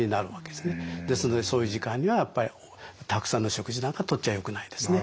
ですのでそういう時間にはたくさんの食事なんかとっちゃよくないですね。